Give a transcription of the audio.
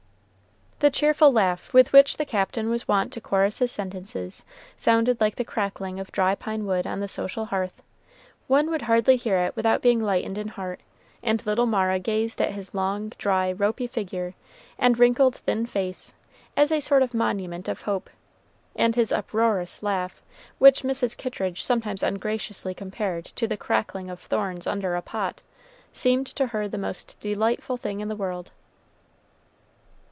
The cheerful laugh with which the Captain was wont to chorus his sentences sounded like the crackling of dry pine wood on the social hearth. One would hardly hear it without being lightened in heart; and little Mara gazed at his long, dry, ropy figure, and wrinkled thin face, as a sort of monument of hope; and his uproarious laugh, which Mrs. Kittridge sometimes ungraciously compared to "the crackling of thorns under a pot," seemed to her the most delightful thing in the world.